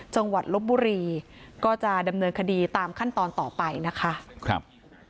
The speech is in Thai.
ลบบุรีก็จะดำเนินคดีตามขั้นตอนต่อไปนะคะครับ